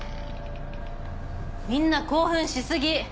みんな興奮し過ぎ！